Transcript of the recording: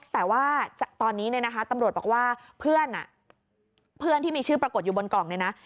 แต่ว่าตอนนี้เนี่ยนะคะตำรวจบอกว่าเพื่อนเพื่อนที่มีชื่อปรากฏอยู่บนกล่องเนี่ยนะ